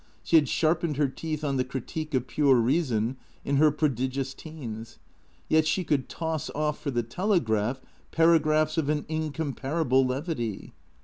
She had sharpened her teeth on the " Critique of Pure Reason " in her prodigious teens. Yet she could toss off, for the " Telegraph," paragraphs of an incom parable levity.